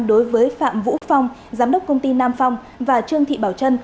đối với phạm vũ phong giám đốc công ty nam phong và trương thị bảo trân